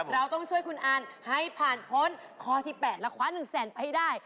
เราต้องช่วยคุณอันให้ผ่านพ้นข้อที่๘และคว้า๑แสนไปให้ได้